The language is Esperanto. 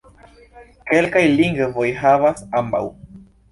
Kelkaj lingvoj havas ambaŭ.